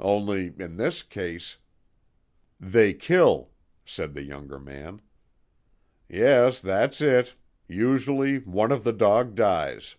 Only, in this case " "They kill," said the younger man. "Yes, that's it. Usually one of the dogs dies."